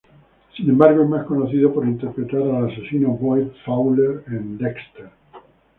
Sin embargo es más conocido por interpretar al asesino Boyd Fowler en "Dexter".